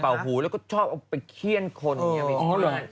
เป่าหูแล้วก็ชอบเอาไปเครียนคน